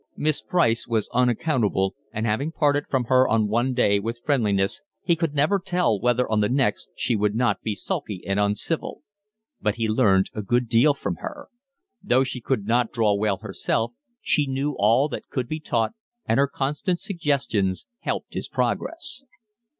Miss Price was unaccountable, and having parted from her on one day with friendliness he could never tell whether on the next she would not be sulky and uncivil; but he learned a good deal from her: though she could not draw well herself, she knew all that could be taught, and her constant suggestions helped his progress.